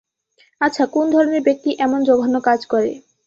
আচ্ছা, কোন ধরণের ব্যক্তি এমন জঘন্য কাজ করে?